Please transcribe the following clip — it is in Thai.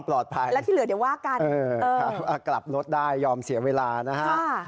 ลดได้ยอมเสียเวลานะฮะ